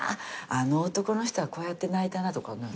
あの男の人はこうやって泣いたなとかね。